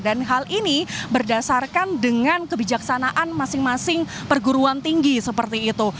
dan hal ini berdasarkan dengan kebijaksanaan masing masing perguruan tinggi seperti itu